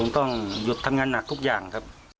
ต้องหยุดทำงานหนักทุกอย่างครับ